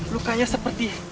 luka nya seperti